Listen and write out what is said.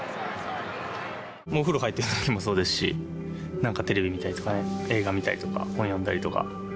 お風呂入っているときもそうですし、なんかテレビ見たりとか、映画見たりとか、本を読んだりとか。